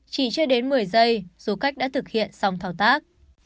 chỉ chưa đến một mươi giây du khách đã thực hiện xong thao tác